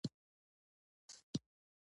داسې څه نشته چې سړی ورته تم شي.